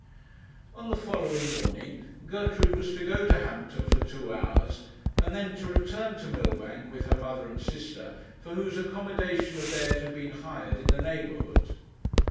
On the following morning Gertrude was to go to Hampton for two hours, and then to return to Millbank, with her mother and sister, for whose accommodation a bed had been hired in the neighbourhood.